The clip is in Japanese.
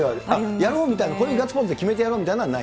やろうみたいな、こういうガッツポーズで決めてやろうみたいなのはない？